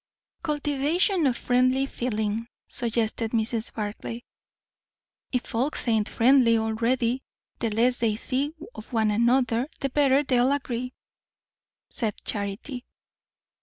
"Cultivation of friendly feeling," suggested Mrs. Barclay. "If folks ain't friendly already, the less they see of one another the better they'll agree," said Charity.